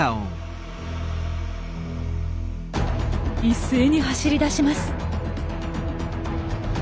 一斉に走りだします。